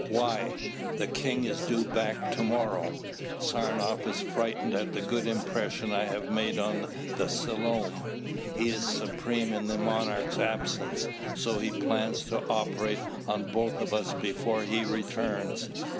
"Why?" "The king is due back to morrow. Saranoff is frightened at the good impression I have made on the Selom. He is supreme in the monarch's absence, so he plans to operate on both of us before he returns.